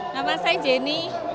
nama saya jenny